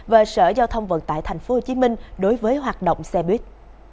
và sở giao thông vận tải tp hcm đối với hoạt động xe buýt